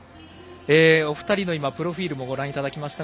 お二人のプロフィールもご覧いただきました。